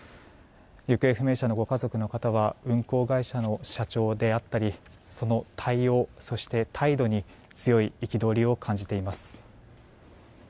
行方不明者のご家族の方は運航会社の社長であったりその対応、そして態度に強い憤りを感じています。